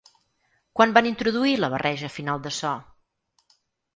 Quan van introduir la barreja final de so?